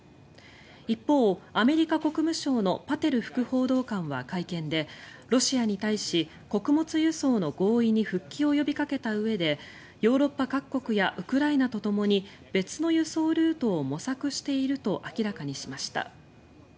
一方、アメリカ国務省のパテル副報道官は会見でロシアに対し穀物輸送の合意に復帰を呼びかけたうえでヨーロッパ各国やウクライナとともに別の輸送ルートを模索していると明らかにしました。